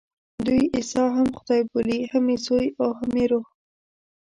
دوی عیسی هم خدای بولي، هم یې زوی او هم یې روح.